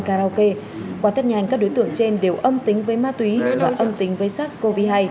các đối tượng trên đều âm tính với ma túy và âm tính với sars cov hai